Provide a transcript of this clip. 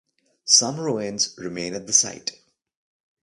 Some ruins remain at the site.